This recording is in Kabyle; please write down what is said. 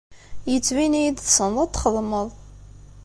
Yettbin-iyi-d tessneḍ ad t-txedmeḍ.